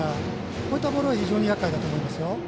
こういったボールは非常にやっかいだと思います。